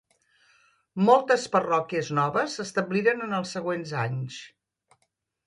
Moltes parròquies noves s'establiren en els següents anys.